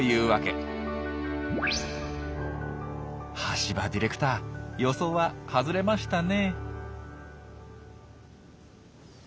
橋場ディレクター予想は外れましたね。